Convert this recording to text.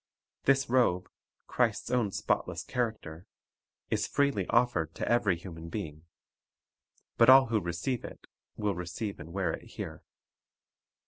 This robe, Christ's own spotless character, is freely offered to every human being. But all who receive it will receive and wear it here.